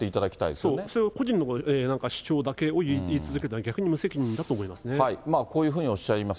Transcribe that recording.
そう、それを個人の主張だけを言い続けたら逆に無責任だと思こういうふうにおっしゃいます。